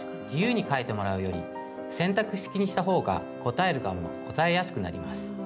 自由に書いてもらうより選択式にしたほうが答える側も答えやすくなります。